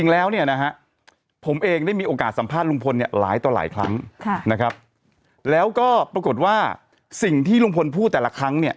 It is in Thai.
แล้วก็ปรากฏว่าสิ่งที่ลุงพลพูดแต่ละครั้งเนี่ย